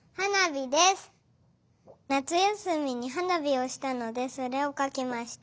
なつやすみにはなびをしたのでそれをかきました。